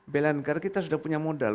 bela negara kita sudah punya modal